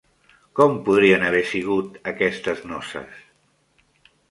Com podrien haver sigut aquestes noces?